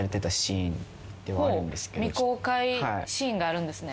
未公開シーンがあるんですね。